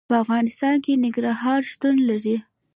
په افغانستان کې ننګرهار شتون لري.